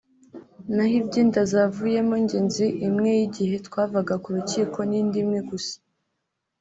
naho iby’inda zavuyemo njye nzi imwe y’igihe twavaga ku rukiko n’indi imwe gusa